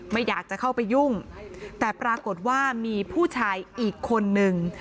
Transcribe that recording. ไม่อยากจะเข้าไปยุ่งแต่ปรากฏว่ามีผู้ชายอีกคนนึง